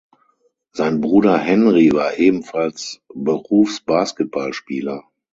Sein Bruder Henri war ebenfalls Berufsbasketballspieler.